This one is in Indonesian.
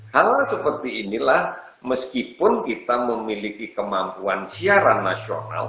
hal seperti inilah meskipun kita memiliki kemampuan siaran nasional